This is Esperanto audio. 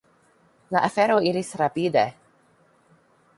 La afero iris rapide.